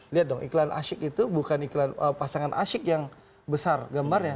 lihat dong iklan asyik itu bukan iklan pasangan asyik yang besar gambarnya